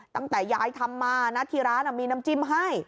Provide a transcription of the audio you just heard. ตั้งแต่ยายทำมานะที่ร้านมีน้ำจิ้มให้